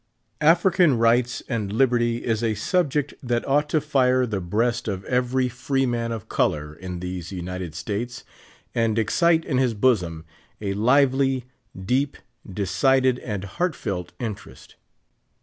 African rights and liberty is a subject that ought to fire the breast of everj^ free man of color in these United States, and excite in his bosom a lively, deep, decided, and heart felt interest.